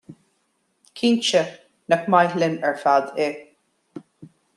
Cinnte, nach maith linn ar fad é?